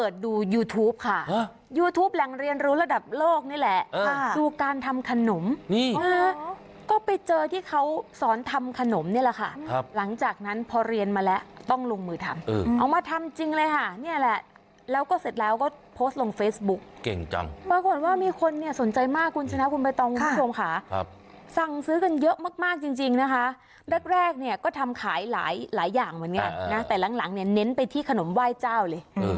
จริงนะคะแรกเนี่ยก็ทำขายหลายอย่างเหมือนกันแต่หลังเน้นไปที่ขนมไหว้เจ้าเลย